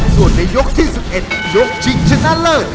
ส่วนในยกที่๑๑ยกชิงชนะเลิศ